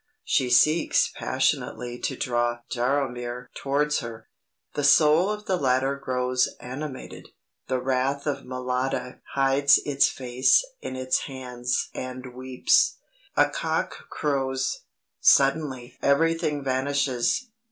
She seeks passionately to draw Jaromir towards her; the soul of the latter grows animated; the wraith of Mlada hides its face in its hands and weeps. A cock crows. Suddenly everything vanishes.